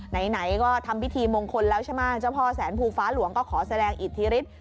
ไหนก็ทำพิธีมงคลแล้วใช่ไหมเจ้าพ่อแสนภูฟ้าหลวงก็ขอแสดงอิทธิฤทธิ์